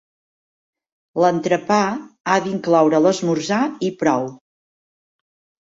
L'entrepà ha d'incloure l'esmorzar i prou.